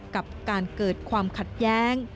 กับการเกิดความขัดแย้ง